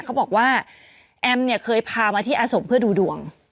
เขาบอกว่าแอมเนี่ยเคยพามาที่อาสมเพื่อดูดวง